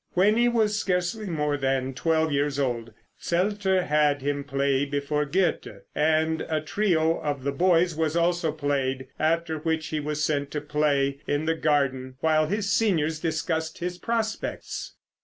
When he was scarcely more than twelve years old, Zelter had him play before Goethe, and a trio of the boy's was also played, after which he was sent to play in the garden while his seniors discussed his prospects.